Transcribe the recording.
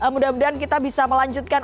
mudah mudahan kita bisa melanjutkan